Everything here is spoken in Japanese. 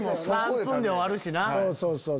３分で終わるしな。